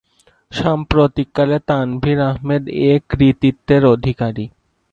সাম্প্রতিককালে তানভীর আহমেদ এ কৃতিত্বের অধিকারী।